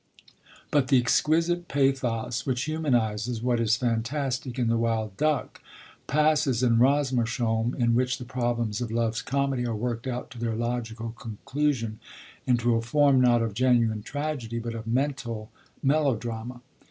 But the exquisite pathos which humanises what is fantastic in The Wild Duck passes, in Rosmersholm, in which the problems of Love's Comedy are worked out to their logical conclusion, into a form, not of genuine tragedy, but of mental melodrama.